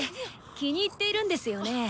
気に入っているんですよね？